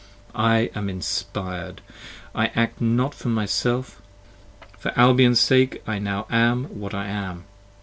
I am inspired: I act not for myself: for Albion's sake I now am what I am!